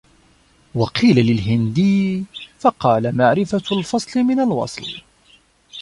وَقِيلَ لِلْهِنْدِيِّ فَقَالَ مَعْرِفَةُ الْفَصْلِ مِنْ الْوَصْلِ